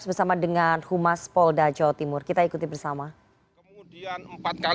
bersama dengan humas polda jawa timur kita ikuti bersama